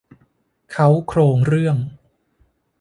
เค้าโครงเรื่อง